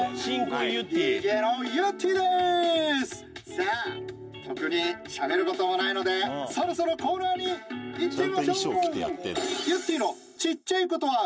さぁしゃべることもないのでそろそろコーナーにいってみましょう！